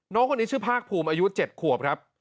น้องคนนี้ชื่อภาคภูมิอายุ๗ขวบครับ